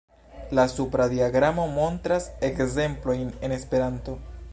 La supra diagramo montras ekzemplojn en esperanto.